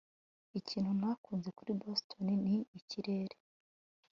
ikintu ntakunze kuri boston ni ikirere